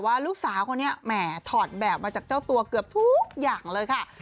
ว่าลูกสาวคนนี้แหมถอดแบบมาจากเจ้าตัวเกือบทุกอย่างเลยค่ะ